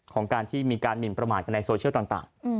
ของการที่มีการหมินประมาทกันในโซเชียลต่าง